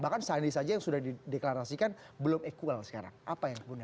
bahkan sandi saja yang sudah dideklarasikan belum equal sekarang apa yang kemudian